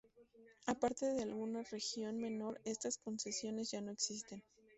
Aparte de alguna región menor, estas concesiones ya no existen.